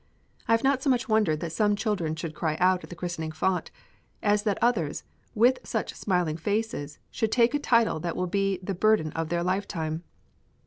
I have not so much wondered that some children should cry out at the Christening font, as that others with such smiling faces should take a title that will be the burden of their lifetime.